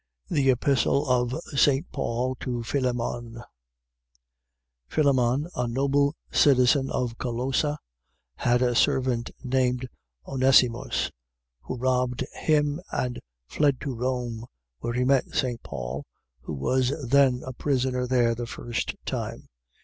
THE EPISTLE OF ST. PAUL TO PHILEMON Philemon, a noble citizen of Colossa, had a servant named Onesimus, who robbed him and fled to Rome, where he met St. Paul, who was then a prisoner there the first time.